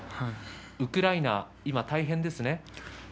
ウクライナは今、大変ですね。